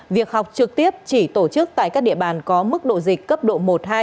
việc học trực tiếp chỉ tổ chức tại các địa bàn có mức độ dịch cấp độ một hai